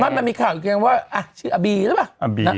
มันมีข่าวอีกไงว่าชื่ออาบีหรือเปล่า